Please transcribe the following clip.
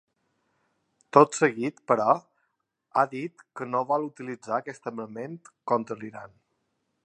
Tot seguit, però, ha dit que no vol utilitzar aquest armament contra l’Iran.